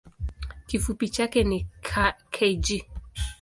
Kifupi chake ni kg.